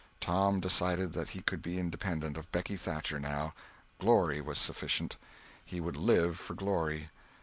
Tom decided that he could be independent of Becky Thatcher now. Glory was sufficient. He would live for glory.